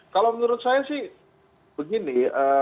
kalau menurut saya sih begini